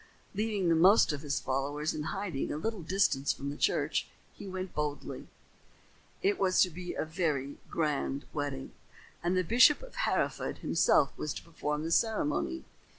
Leaving the most of his followers in hiding a little distance from the church, he went in boldly. It was to be a very grand wedding, and the Bishop of Hereford himself was to perform the ceremony.